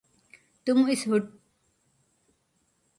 تم اِس ہوٹیل میں ننگی نہیں جا سکتی ہو۔